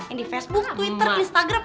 yang di facebook twitter instagram